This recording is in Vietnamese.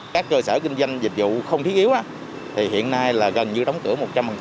các cơ sở kinh doanh dịch vụ không thiết yếu thì hiện nay là gần như đóng cửa một trăm linh